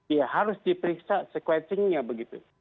ya harus diperiksa sequencingnya begitu